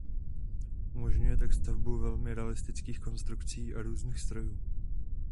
Umožňuje tak stavbu velmi realistických konstrukcí a různých strojů.